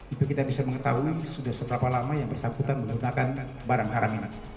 itu kita bisa mengetahui sudah seberapa lama yang bersangkutan menggunakan barang haramina